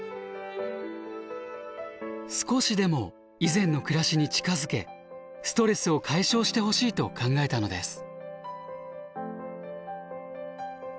少しでも以前の暮らしに近づけストレスを解消してほしいと考えたのです。